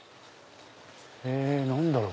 何だろう？